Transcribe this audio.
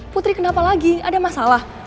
putri kenapa lagi ada masalah